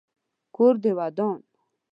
کور دي ودان .